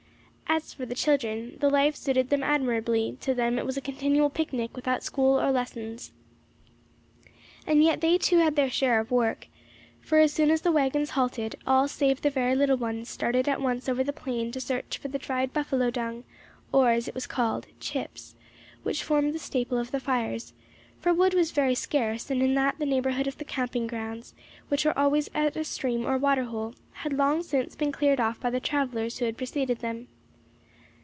As for the children, the life suited them admirably; to them it was a continual picnic, without school or lessons. And yet they too had their share of the work, for as soon as the waggons halted, all save the very little ones started at once over the plain to search for the dried buffalo dung, or, as it was called, chips, which formed the staple of the fires; for wood was very scarce, and that in the neighbourhood of the camping grounds, which were always at a stream or water hole, had long since been cleared off by the travellers who had preceded them.